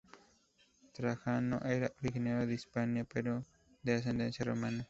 Trajano era originario de Hispania, pero de ascendencia romana.